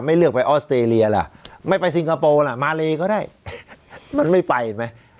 เลือกไปออสเตรเลียล่ะไม่ไปซิงคโปร์ล่ะมาเลก็ได้มันไม่ไปเห็นไหม